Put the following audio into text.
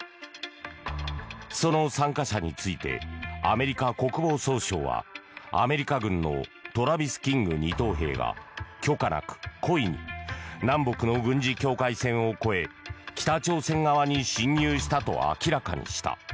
その参加者についてアメリカ国防総省はアメリカ軍のトラビス・キング２等兵が許可なく故意に南北の軍事境界線を越え北朝鮮側に侵入したと明らかにした。